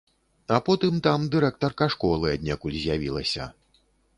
А потым там дырэктарка школы аднекуль з'явілася.